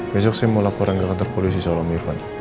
besok saya mau laporan ke kantor polisi soal om irfan